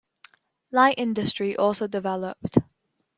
Light industry also developed.